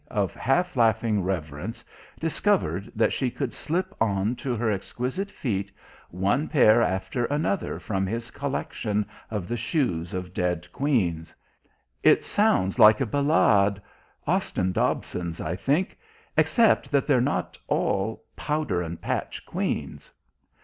of half laughing reverence, discovered that she could slip on to her exquisite feet one pair after another from his collection of the shoes of dead queens "It sounds like a ballade Austin Dobson, I think except that they're not all powder and patch queens."